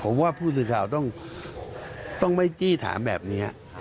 ผมว่าผู้สื่อข่าวต้องไม่จี้ถามแบบนี้